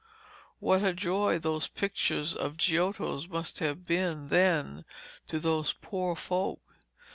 What a joy those pictures of Giotto's must have been, then, to those poor folk!